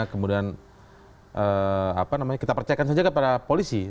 kemudian kita percayakan saja kepada polisi